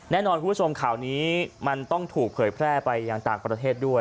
แน่นอนคุณผู้ชมข่าวนี้มันต้องถูกเผยแพร่ไปยังต่างประเทศด้วย